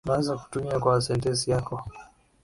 Unaweza kutumia kwa sentensi yako